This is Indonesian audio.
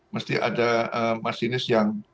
mesti ada masinis yang